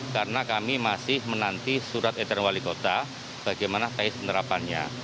karena kami masih menanti surat etern wali kota bagaimana fais penerapannya